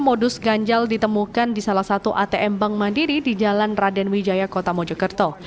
hal yang sama juga ditemukan di salah satu atm bank mandiri di jalan raden wijaya kota mojokerto